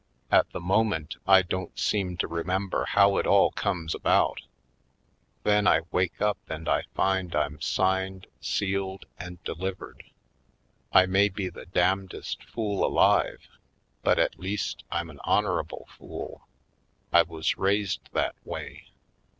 At the moment, I don't seem to remember how it all comes about; then I wake up and I find I'm signed, sealed and delivered. I may be the damndest fool alive, but at least I'm an honorable fool. I was raised that way.